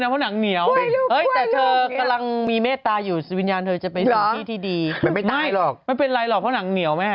ชิดลุยน่าจะไปทำอะไรนะ